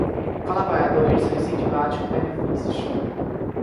Colaboradores são incentivados com benefícios